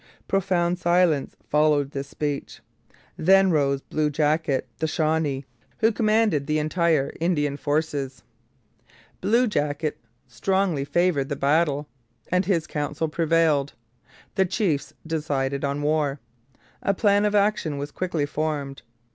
Profound silence followed this speech. Then rose Blue Jacket, the Shawnee, who commanded the entire Indian forces. Blue Jacket strongly favoured battle; and his counsel prevailed. The chiefs decided on war. A plan of action was quickly formed.